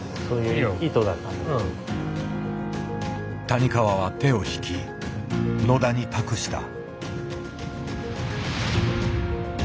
谷川は手を引き野田に託した。